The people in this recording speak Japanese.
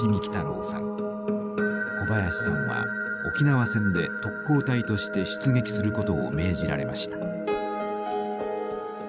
小林さんは沖縄戦で特攻隊として出撃することを命じられました。